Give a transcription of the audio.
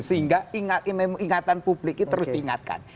sehingga ingatan publik itu terus diingatkan